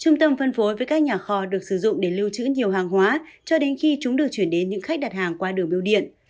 trung tâm phân phối với các nhà kho được sử dụng để lưu trữ nhiều hàng hóa cho đến khi chúng được chuyển đến những khách đặt hàng qua đường biêu điện